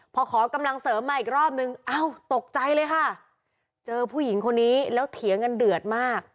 พอขอกำลังเสริมมาอีกรอบนึงเอ้าตกใจเลยค่ะเจอผู้หญิงคนนี้แล้วเถียงกันเดือดมาก